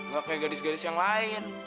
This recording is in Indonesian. gak kayak gadis gadis yang lain